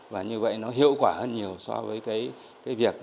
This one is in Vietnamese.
và như vậy nó hiệu quả hơn nhiều so với cái việc